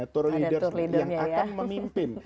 tur leader yang akan memimpin